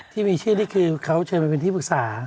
ที่มีชื่อนี่คือเขาเชิญมาเป็นที่ปรึกษา